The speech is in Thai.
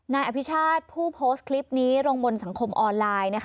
นายอภิชาติผู้โพสต์คลิปนี้ลงบนสังคมออนไลน์